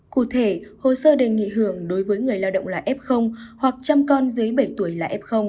cụ thể hồ sơ đề nghị hưởng đối với người lao động là f hoặc trăm con dưới bảy tuổi là f